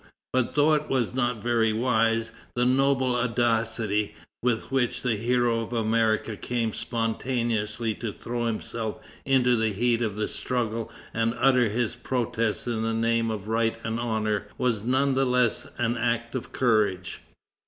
But though it was not very wise, the noble audacity with which the hero of America came spontaneously to throw himself into the heat of the struggle and utter his protest in the name of right and honor, was none the less an act of courage.